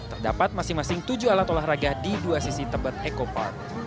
terdapat masing masing tujuh alat olahraga di dua sisi tebet eco park